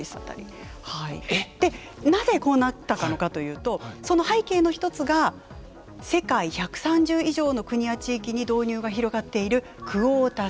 でなぜこうなったのかというとその背景の一つが世界１３０以上の国や地域に導入が広がっているクオータ制。